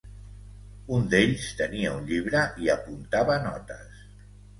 Un d'ells tenia un llibre i apuntava notes.